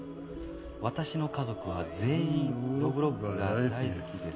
私の家族は全員どぶろっくが大好きです。